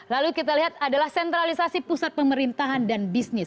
lalu kita lihat adalah sentralisasi pusat pemerintahan dan bisnis